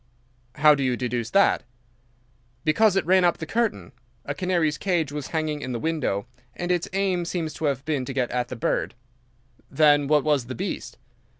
"How do you deduce that?" "Because it ran up the curtain. A canary's cage was hanging in the window, and its aim seems to have been to get at the bird." "Then what was the beast?"